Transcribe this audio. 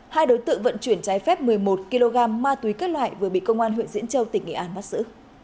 hai đối tượng vận chuyển trái phép một mươi một kg ma túy các loại vừa bị công an huyện diễn châu tỉnh nghệ an bắt giữ